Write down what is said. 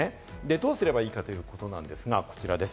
どうすればいいかということなんですが、こちらです。